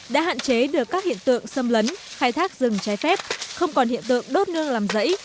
đã hạn chế được các hiện tượng xâm lấn khai thác rừng trái phép không còn hiện tượng đốt nương làm rẫy